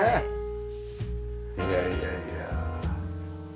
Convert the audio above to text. いやいやいや。